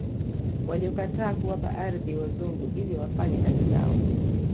Waliokataa kuwapa ardhi wazungu ili wafanye kazi zao